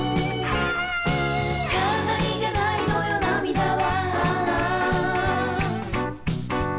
「ラララ」「飾りじゃないのよ涙は」